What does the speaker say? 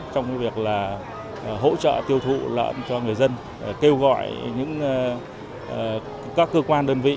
trong việc hỗ trợ tiêu thụ lợn cho người dân kêu gọi những các cơ quan đơn vị